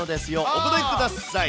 お答えください。